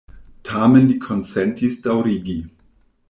Tamen li konsentis daŭrigi.